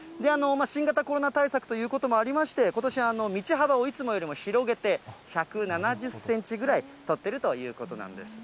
新型コロナ対策ということもありまして、ことしは道幅をいつもよりも広げて、１７０センチぐらい取ってるということなんです。